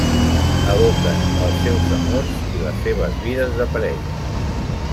Evoquen els seus amors i les seves vides de parella.